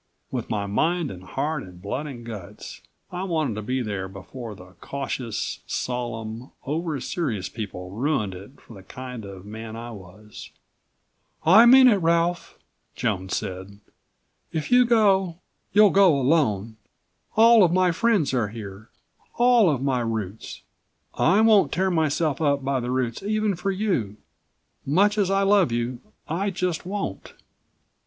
With my mind and heart and blood and guts I wanted to be there before the cautious, solemn, over serious people ruined it for the kind of man I was. "I mean it, Ralph," Joan said. "If you go you'll go alone. All of my friends are here, all of my roots. I won't tear myself up by the roots even for you. Much as I love you, I just won't."